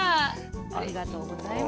ありがとうございます。